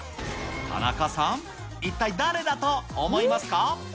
田中さん、一体誰だと思いますか？